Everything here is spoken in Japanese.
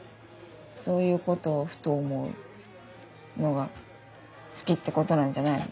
そういうことをふと思うのが好きってことなんじゃないの。